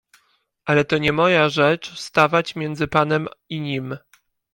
"Ale to nie moja rzecz stawać między panem i nim."